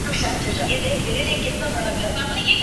In both cases, the band was not involved with the releases.